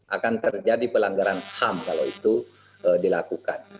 akan terjadi pelanggaran ham kalau itu dilakukan